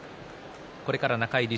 これから中入り。